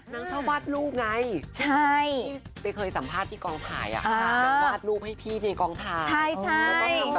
นางชอบวาดรูปไงไปเคยสัมภาษณ์ที่กองถ่ายนางวาดรูปให้พี่ในกองถ่าย